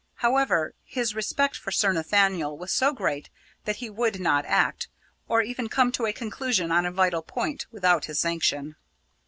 However, his respect for Sir Nathaniel was so great that he would not act, or even come to a conclusion on a vital point, without his sanction.